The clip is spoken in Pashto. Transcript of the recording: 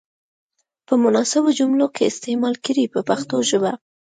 په مناسبو جملو کې یې استعمال کړئ په پښتو ژبه.